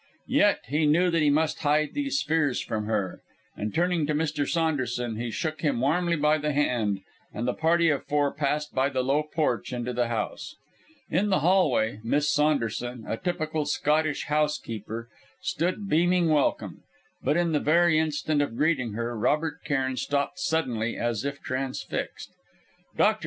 Yet, he knew that he must hide these fears from her; and turning to Mr. Saunderson, he shook him warmly by the hand, and the party of four passed by the low porch into the house. In the hall way Miss Saunderson, a typical Scottish housekeeper, stood beaming welcome; but in the very instant of greeting her, Robert Cairn stopped suddenly as if transfixed. Dr.